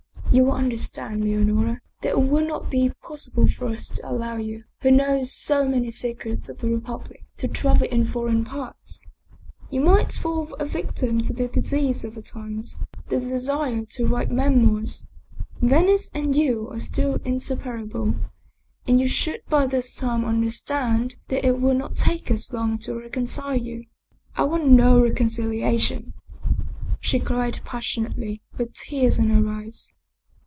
You will understand, Leonora, that it will not be possible for us to allow you, who know so many secrets of the Republic, to travel in foreign parts. You might fall a victim to the disease of the times, the desire to write memoirs. Venice and you are still inseparable, and you should by this time understand that it will not take us long to reconcile you." " I want no reconciliation," she cried passionately, with tears in her eyes.